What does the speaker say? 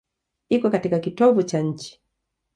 Iko katika kitovu cha nchi.